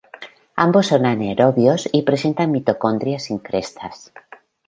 Ambos son anaerobios y presentan mitocondrias sin crestas.